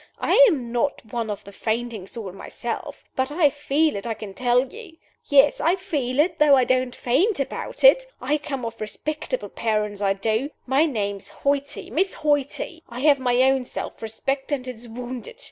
I am not one of the fainting sort myself; but I feel it, I can tell you. Yes! I feel it, though I don't faint about it. I come of respectable parents I do. My name is Hoighty Miss Hoighty. I have my own self respect; and it's wounded.